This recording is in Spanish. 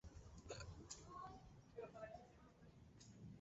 El hombre huyó y Kearney no pudo atraparlo.